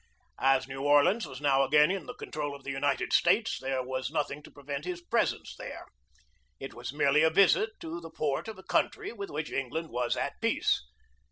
As New Orleans was now again in the control of the United States, there was nothing to prevent his presence there. It was merely a visit to the port of a country with which England was at peace.